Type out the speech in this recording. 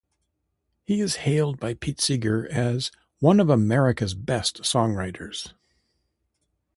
He is hailed by Pete Seeger as "one of America's best songwriters".